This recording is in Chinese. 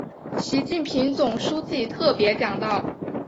习近平总书记特别讲到